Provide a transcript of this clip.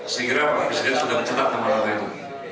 segera pak presiden sudah mencetak nama nama itu